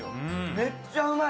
めっちゃうまい！